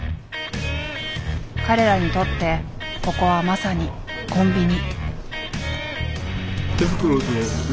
彼らにとってここはまさにコンビニ。